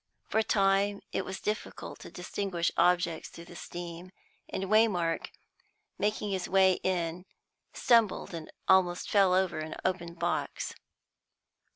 For a time it was difficult to distinguish objects through the steam, and Waymark, making his way in, stumbled and almost fell over an open box.